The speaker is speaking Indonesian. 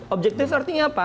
objektif artinya apa